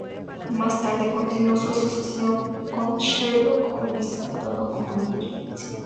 Más tarde, continúo su asociación con Sherlock Holmes actuando como Nigel St.